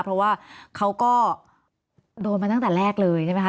เพราะว่าเขาก็โดนมาตั้งแต่แรกเลยใช่ไหมคะ